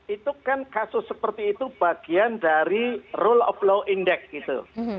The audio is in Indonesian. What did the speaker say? itu kan kasus seperti itu bagian dari rule of law index gitu